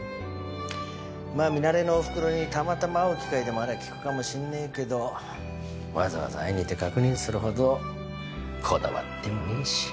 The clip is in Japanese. まあミナレのおふくろにたまたま会う機会でもあれば聞くかもしんねえけどわざわざ会いに行って確認するほどこだわってもねえし。